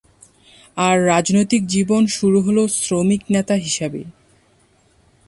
আর রাজনৈতিক জীবন শুরু হলো শ্রমিক নেতা হিসাবে।